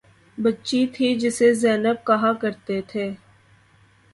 بچی تھی جسے زینب کہا کرتے تھے